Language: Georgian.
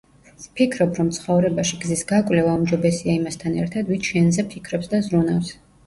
ვფიქრობ რომ ცხოვრებაში გზის გაკვლევა უმჯობესია იმასთან ერთად, ვინც შენზე ფიქრობს და ზრუნავს.